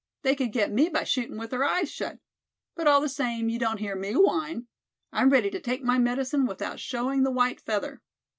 They could get me by shootin' with their eyes shut. But all the same, you don't hear me whine. I'm ready to take my medicine without showing the white feather."